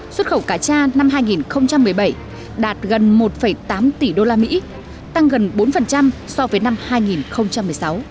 xuất khẩu cá tra năm hai nghìn một mươi bảy đạt gần một tám tỷ đô la mỹ tăng gần bốn so với năm hai nghìn một mươi sáu